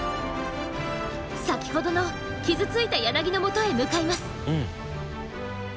先ほどの傷ついたヤナギのもとへ向かいます。